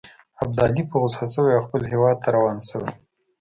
ابدالي په غوسه شوی او خپل هیواد ته روان شوی.